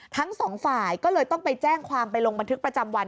ทั้งสองฝ่ายก็เลยต้องไปแจ้งความไปลงบันทึกประจำวัน